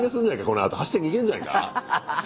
このあと走って逃げんじゃないか。